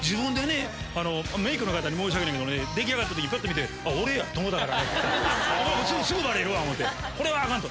メークの方に申し訳ないけどね出来上がった時パッと見て俺や！と思うたからねすぐバレるわこれはアカン！と。